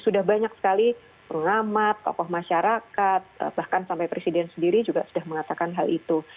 sudah banyak sekali pengamat tokoh masyarakat bahkan sampai presiden sendiri juga sudah mengatakan hal itu